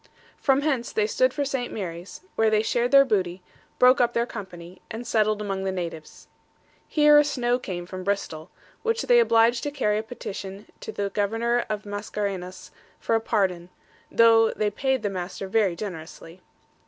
From hence they stood for St. Mary's, where they shared their booty, broke up their company, and settled among the natives. Here a snow came from Bristol, which they obliged to carry a petition to the governor of Mascarenhas for a pardon, though they paid the master very generously.